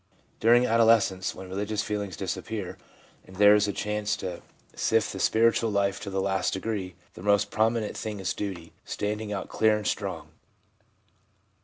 During adolescence, when religious feelings disappear, and there is a chance to sift the spiritual life to the last degree, the most pro minent thing is duty, standing out clear and strong.